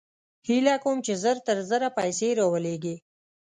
هېله کوم چې زر تر زره پیسې راولېږې